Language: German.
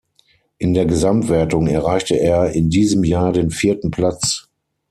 In der Gesamtwertung erreichte er in diesem Jahr den vierten Platz.